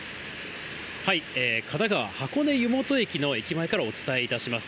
神奈川・箱根湯本駅の駅前からお伝えいたします。